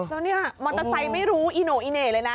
แล้วเนี่ยมอเตอร์ไซค์ไม่รู้อีโน่อีเหน่เลยนะ